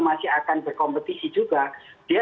masih akan berkompetisi juga dia